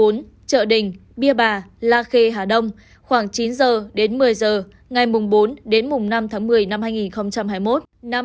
bốn trợ đình bia bà la khê hà đông khoảng chín h đến một mươi h ngày bốn đến năm tháng một mươi năm hai nghìn hai mươi một